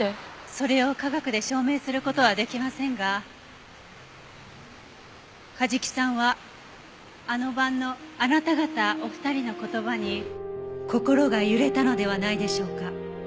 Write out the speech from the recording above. それを科学で証明する事はできませんが梶木さんはあの晩のあなた方お二人の言葉に心が揺れたのではないでしょうか。